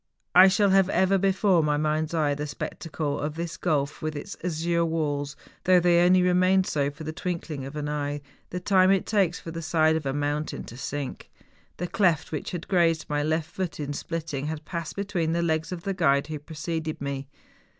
I shall have ever before my mind's eye the spectacle of this gulf with its azure walls, though they only remained so for the twinkling of an eye, the time it takes for the side of THE GALENSTOCK. 91 a mountain to sink. The cleft, which had grazed my left foot in splitting, had passed between the legs of the guide who preceded me.